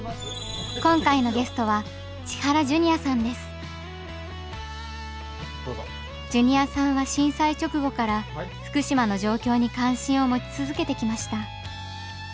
今回のゲストはジュニアさんは震災直後から福島の状況に関心を持ち続けてきました。